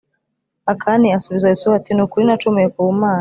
Akani asubiza Yosuwa ati Ni ukuri nacumuye ku mana